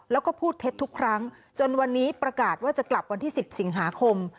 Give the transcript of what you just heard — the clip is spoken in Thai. แล้วก็พูดเท็จทุกครั้งจนวันนี้ประกาศว่าจะกลับวันที่๑๐สิงหาคม